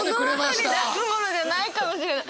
この中で出すものじゃないかもしれない！